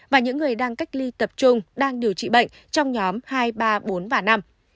và những người đang cách ly tập trung đang điều trị bệnh trong nhóm hai ba bốn và năm